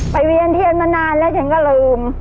เวียนเทียนมานานแล้วฉันก็ลืม